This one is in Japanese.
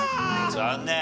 残念。